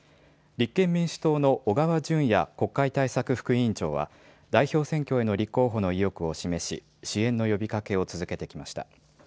立憲民主党の小川淳也国会対策副委員長は、代表選挙への立候補の意欲を示し、支援の呼びかけを続けてきました。